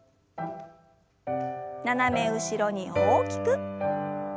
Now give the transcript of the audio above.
斜め後ろに大きく。